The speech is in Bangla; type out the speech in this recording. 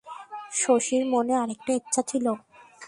শশীর মনে আর একটা ইচ্ছা ছিল।